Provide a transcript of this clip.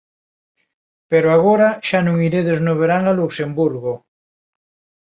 Pero agora xa non iredes no verán a Luxemburgo...